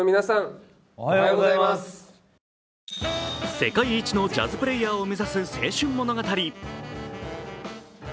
世界一のジャズプレーヤーを目指す青春物語。